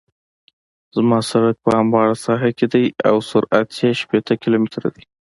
زما سرک په همواره ساحه کې دی او سرعت یې شپیته کیلومتره دی